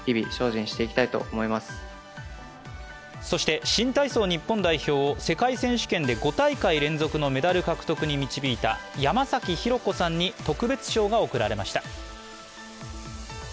そして新体操日本代表を世界選手権で５大会連続のメダル獲得に導いた山崎浩子さんに特別賞が贈られました。